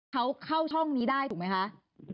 เขาเข้าช่องนี้ได้ถูกไหมคะ